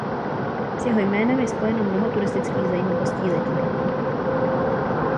S jeho jménem je spojeno mnoho turistických zajímavostí Little Rocku.